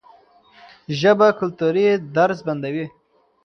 ژبه کلتوري درز بندوي.